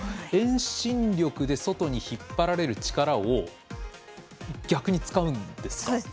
遠心力で外に引っ張られる力を逆に使うんですか。